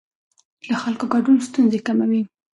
د خلکو ګډون ستونزې کموي